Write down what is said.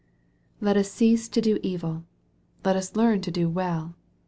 Let us cease to do evil. Let us learn to do well.